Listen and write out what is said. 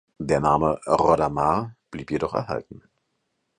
Der Name Rodder Maar blieb jedoch erhalten.